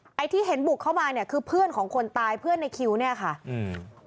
ไอ้ที่เห็นบุกเข้ามาเนี่ยคือเพื่อนของคนตายเพื่อนในคิวเนี้ยค่ะอืม